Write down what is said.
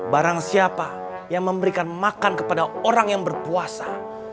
barang siapa yang memberikan makan kepada orang yang berpuasa